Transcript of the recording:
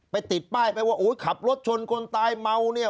ติดป้ายไปว่าโอ้ยขับรถชนคนตายเมาเนี่ย